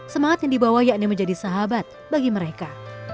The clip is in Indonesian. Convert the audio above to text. semangat yang dibawa yakni menjadi sahabat bagi mereka